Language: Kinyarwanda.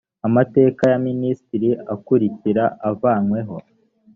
amateka ya minisitiri akurikira avanyweho